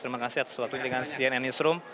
terima kasih atas waktunya dengan cnn newsroom